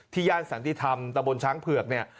ที่ย่านสงสังฆ์ฐีธรรมตะบลช้างเผือก